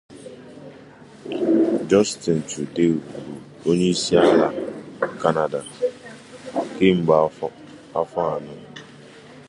Justin Trudeau bụ onye isi ala Kanada kemgbe afọ anọ